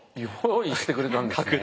用意してくれたんですね。